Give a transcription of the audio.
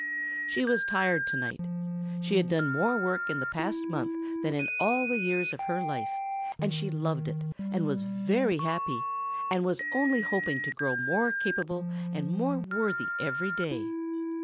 She was tired to night; she had done more work in the past month than in all the years of her life and she loved it and was very happy and was only hoping to grow more capable and more worthy every day.